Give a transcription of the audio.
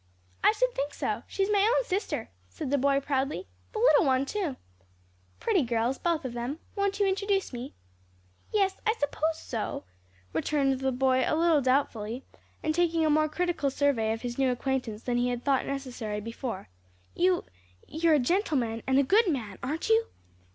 "I should think so! she's my own sister," said the boy proudly. "The little one too." "Pretty girls, both of them. Won't you introduce me?" "Yes, I suppose so," returned the boy a little doubtfully, and taking a more critical survey of his new acquaintance than he had thought necessary before; "you you're a gentleman and a good man, aren't you?"